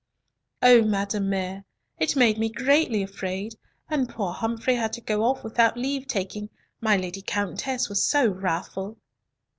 "O madame mere, it made me greatly afraid, and poor Humfrey had to go off without leave taking, my Lady Countess was so wrathful."